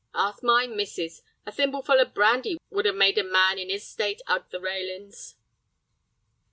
Ask my missus. A thimbleful o' brandy would 'ave made a man in 'is state 'ug the railin's."